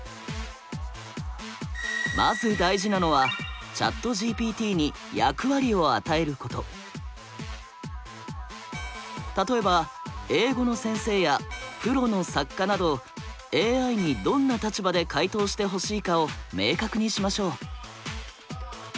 まず大事なのはＣｈａｔＧＰＴに例えば「英語の先生」や「プロの作家」などＡＩにどんな立場で回答してほしいかを明確にしましょう。